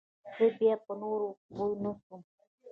زه بيا په نورو پوه نسوم.